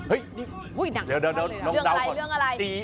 เดี๋ยวเรื่องอะไร